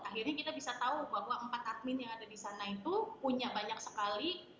akhirnya kita bisa tahu bahwa empat admin yang ada di sana itu punya banyak sekali